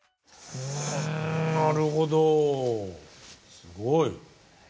うんなるほどすごい！